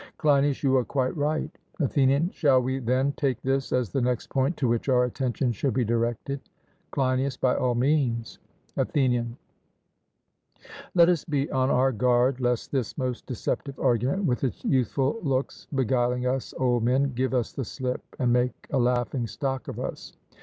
CLEINIAS: You are quite right. ATHENIAN: Shall we, then, take this as the next point to which our attention should be directed? CLEINIAS: By all means. ATHENIAN: Let us be on our guard lest this most deceptive argument with its youthful looks, beguiling us old men, give us the slip and make a laughing stock of us.